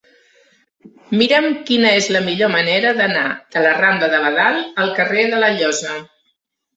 Mira'm quina és la millor manera d'anar de la rambla de Badal al carrer de la Llosa.